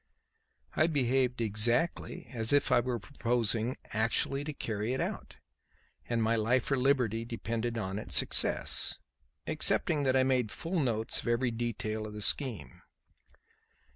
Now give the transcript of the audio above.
I behaved exactly as if I were proposing actually to carry it out, and my life or liberty depended on its success excepting that I made full notes of every detail of the scheme.